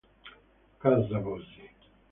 Casa Bossi